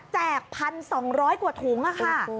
๑๒๐๐กว่าถุงค่ะ